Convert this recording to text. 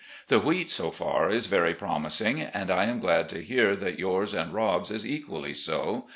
The wheat, so far, is very promising, and I am glad to hear that yours and Rob's is equally so.